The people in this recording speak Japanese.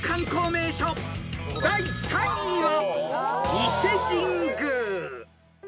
［第３位は］